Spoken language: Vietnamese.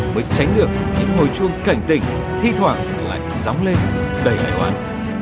mới tránh được những ngồi chuông cảnh tỉnh thi thoảng lại sóng lên đầy đài hoan